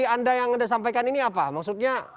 anda yang sudah sampaikan ini apa